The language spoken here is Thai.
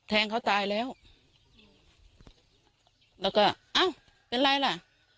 แทงเขาตายแล้วแล้วก็อ้าวเป็นไรล่ะ